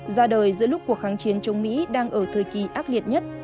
ra đời giữa lúc cuộc kháng chiến chống mỹ đang ở thời kỳ ác liệt nhất